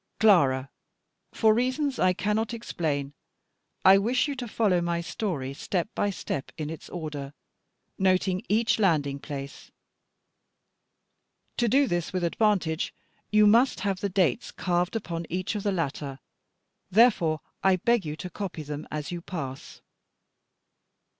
Clara, for reasons I cannot explain, I wish you to follow my story step by step in its order, noting each landing place. To do this with advantage, you must have the dates carved upon each of the latter: therefore I beg you to copy them as you pass.